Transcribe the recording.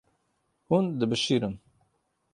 Hûn dibişirin.